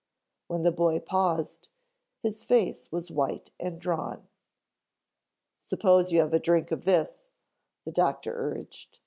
When the boy paused, his face was white and drawn. "Suppose you have a drink of this," the doctor urged.